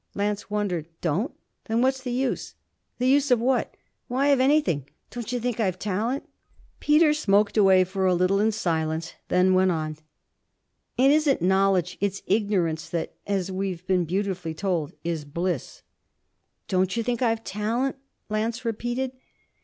Lance wondered. '"Don't"? Then what's the use ?' 'The use of what?' 'Why of anything. Don't you think I've talent?' Peter smoked away for a little in silence; then went on: 'It isn't knowledge, it's ignorance that as we've been beautifully told is bliss.' 'Don't you think I've talent?' Lance repeated.